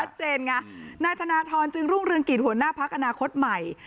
เขาชัดเจนไงนายธนาธรรมจึงรุ่งเรืองกิจหัวหน้าพักอนาคตใหม่